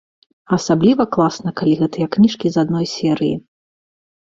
А асабліва класна, калі гэтыя кніжкі з адной серыі.